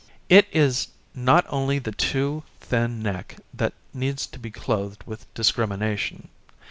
It is not only the too thin neck that needs to be clothed with discrimination.